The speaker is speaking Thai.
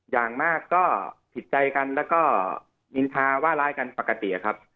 อย่างมากก็ผิดใจกันแล้วก็นินทาว่าร้ายกันปกติครับ